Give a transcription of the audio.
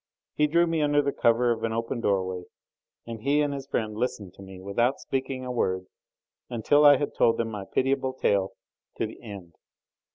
He drew me under the cover of an open doorway, and he and his friend listened to me without speaking a word until I had told them my pitiable tale to the end.